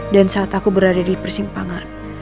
dan saat aku berada di persimpangan